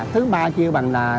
thứ ba kêu bằng là